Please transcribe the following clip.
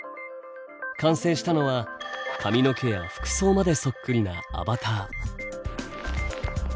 完成したのは髪の毛や服装までそっくりなアバター。